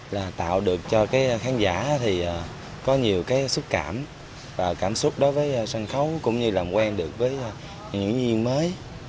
là tạo được cho cái khán giả thì có nhiều cái xúc cảm và cảm xúc đối với sân khấu cũng như làm quen được với những nhiên mới